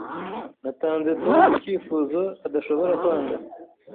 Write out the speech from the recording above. Natanze Tom icyifuzo adashobora kwanga.